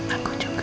aku juga pak